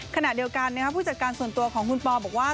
ขณะเดียวกันผู้จัดการส่วนตัวของคุณปอบอกว่า